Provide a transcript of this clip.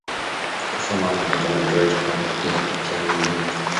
kufa mama eko na droit yaku pyana bintu